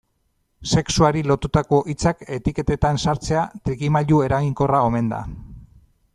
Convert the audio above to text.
Sexuari lotutako hitzak etiketetan sartzea trikimailu eraginkorra omen da.